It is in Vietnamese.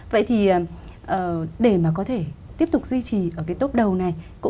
vậy thì để mà có thể tiếp tục duy trì ở cái tốp đầu này